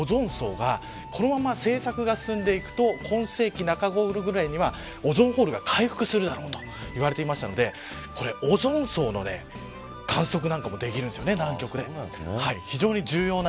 この間、世界気象機関が上空のオゾン層がそのまま進んでいくと今世紀中頃にはオゾンホールが回復するだろうと言われていたのでオゾン層の観測なんかもできるんですね、南極で。